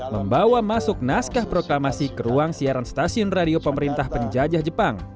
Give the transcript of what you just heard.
membawa masuk naskah proklamasi ke ruang siaran stasiun radio pemerintah penjajah jepang